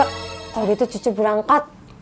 kalo gitu cucu berangkat